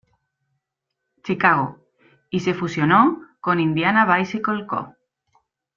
Chicago, y se fusionó con Indiana Bicycle Co.